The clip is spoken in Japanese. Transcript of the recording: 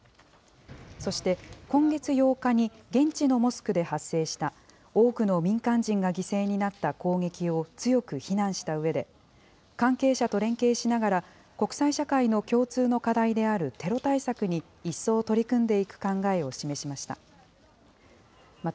そして、今月８日に現地のモスクで発生した、多くの民間人が犠牲になった攻撃を強く非難したうえで、関係者と連携しながら、国際社会の共通の課題であるテロ対策に一層取り組んでいく考えを示しました。